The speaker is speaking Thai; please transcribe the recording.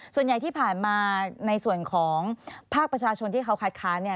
ส่วนใหญ่ที่ผ่านมาในส่วนของภาคประชาชนที่เขาคัดค้านเนี่ย